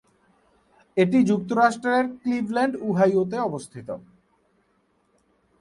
এটি যুক্তরাষ্ট্রের ক্লিভল্যান্ড, ওহাইওতে অবস্থিত।